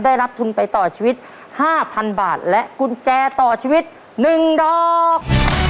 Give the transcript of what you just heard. ได้รับทุนไปต่อชีวิตห้าพันบาทและกุญแจต่อชีวิตหนึ่งดอก